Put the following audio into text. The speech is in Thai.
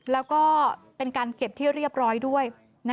แล้วก็เป็นการเก็บที่เรียบร้อยด้วย